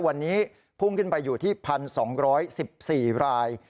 วันนี้พุ่งขึ้นไปอยู่ที่๑๒๑๔ราย